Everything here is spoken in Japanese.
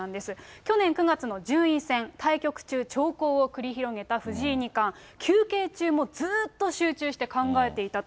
去年９月の順位戦、対局中長考を繰り広げた藤井二冠、休憩中もずっと集中して考えていたと。